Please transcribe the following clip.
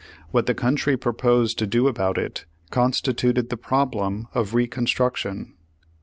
What the coun try proposed to do about it constituted the prob lem of Reconstruction.